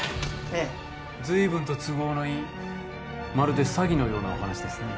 ええずいぶんと都合のいいまるで詐欺のようなお話ですね